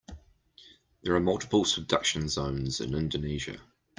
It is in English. There are multiple subduction zones in Indonesia.